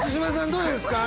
どうですか？